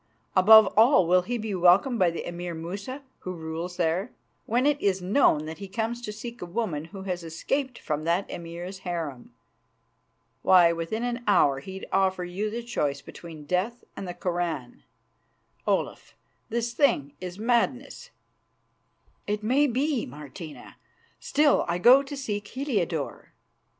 Above all, will he be welcomed by the Emir Musa, who rules there, when it is known that he comes to seek a woman who has escaped from that Emir's harem? Why, within an hour he'd offer you the choice between death and the Koran. Olaf, this thing is madness." "It may be, Martina. Still, I go to seek Heliodore."